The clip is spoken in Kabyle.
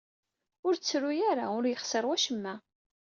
Ur ttru ara. Ur yexṣir wacemma.